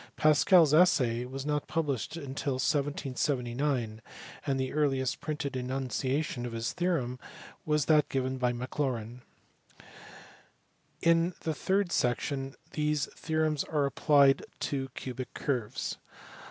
Pascal s essay was not published till 1779, and the earliest printed enunciation of his theorem was that given by Maclaurin. In the third section these theorems are applied to cubic curves.